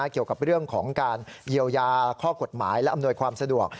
เกี่ยวกับเรื่องของการเยียวยาข้อกฎหมายและอำนวยความสะดวก